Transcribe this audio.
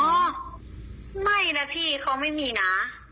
ไม่นะพี่เขาไม่มีนะ